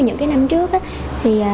những năm trước thì